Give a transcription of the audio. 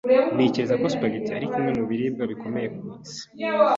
Ntekereza ko spaghetti ari kimwe mu biribwa bikomeye ku isi.